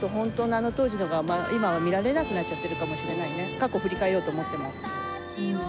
過去を振り返ろうと思っても。